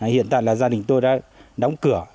hiện tại là gia đình tôi đã đóng cửa